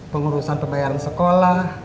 pengurusan pembayaran sekolah